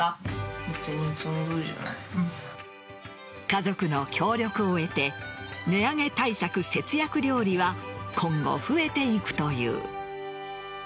家族の協力を得て値上げ対策節約料理は今後、増えていくという。